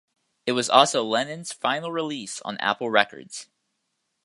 It was also Lennon's final release on Apple Records.